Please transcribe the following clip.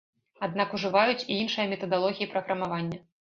Аднак ужываюць і іншыя метадалогіі праграмавання.